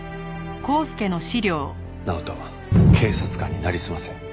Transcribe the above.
直人警察官になりすませ。